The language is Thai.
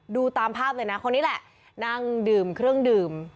ดูตามภาพเลยนะคนนี้แหละนั่งดื่มเครื่องดื่ม